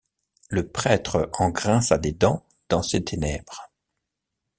Le prêtre en grinça des dents dans ses ténèbres.